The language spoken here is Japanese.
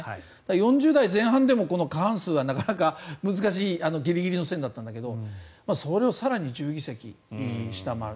４０台前半でも過半数はなかなか難しいギリギリの線だったんだけどそれを更に１０議席下回る。